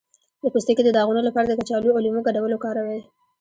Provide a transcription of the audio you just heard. د پوستکي د داغونو لپاره د کچالو او لیمو ګډول وکاروئ